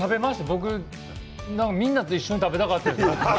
僕みんなと一緒に食べたかった。